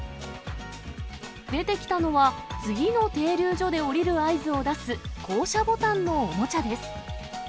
出てきたのは、次の停留所で降りる合図を出す、降車ボタンのおもちゃです。